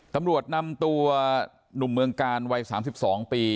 ตำรวจนำตัวหนุ่มเมืองกาลวัยสามสิบสองปี